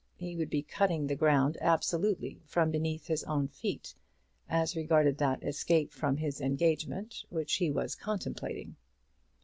He would be cutting the ground absolutely from beneath his own feet as regarded that escape from his engagement which he was contemplating.